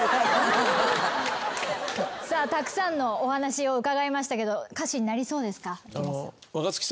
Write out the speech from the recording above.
たくさんのお話を伺いましたけど歌詞になりそうですか？